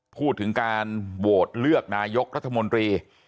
พูดถึงการโหวตเลือกนายกรัฐมนตรี